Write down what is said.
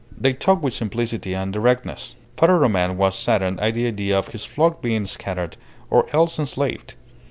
They talked with simplicity and directness. Father Roman was saddened at the idea of his flock being scattered or else enslaved.